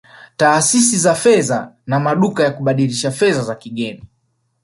Taasisi za fedha na maduka ya kubadilisha fedha za kigeni